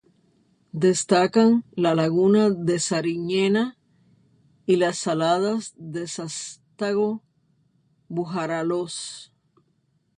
Destacan la Laguna de Sariñena y las Saladas de Sástago-Bujaraloz.